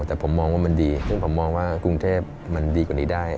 แต่ผมมองว่ามันดีซึ่งผมมองว่ากรุงเทพมันดีกว่านี้ได้